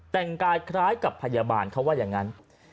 แต่งกายคล้ายกับพยาบาลเขาว่าอย่างนั้น